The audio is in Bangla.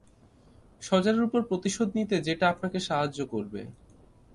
শজারুর উপর প্রতিশোধ নিতে যেটা আপনাকে সাহায্য করবে।